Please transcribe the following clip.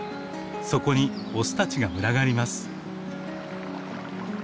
そこにオスたちが群がります。